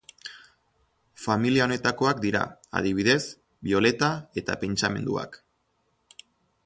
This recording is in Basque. Familia honetakoak dira, adibidez, bioleta eta pentsamenduak.